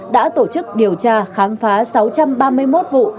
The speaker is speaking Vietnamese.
đã tổ chức điều tra khám phá sáu trăm ba mươi một vụ